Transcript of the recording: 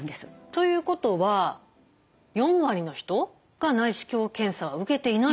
ということは４割の人が内視鏡検査は受けていないっていうことなんですね。